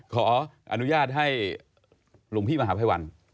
ขออนุญาตให้หลวงพี่มหาภัยวัน